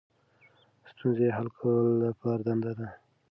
ستونزې حل کول د پلار دنده ده.